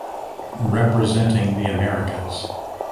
Representing the Americas